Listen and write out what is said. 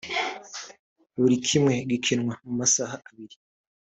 buri kimwe gikinwa mu masaha abiri